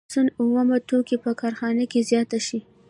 د سون اومه توکي په کارخانه کې زیات شي